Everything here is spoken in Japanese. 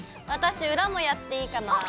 私裏もやっていいかな。